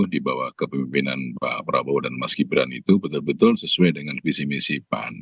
di bawah kepemimpinan pak prabowo dan mas gibran itu betul betul sesuai dengan visi misi pan